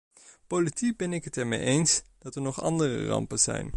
Politiek ben ik het ermee eens dat er nog andere rampen zijn.